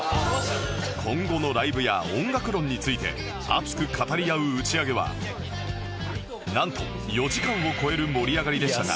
今後のライブや音楽論について熱く語り合う打ち上げはなんと４時間を超える盛り上がりでしたが